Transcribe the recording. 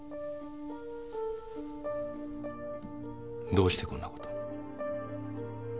どうしてこんなことを。